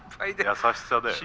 優しさだよね。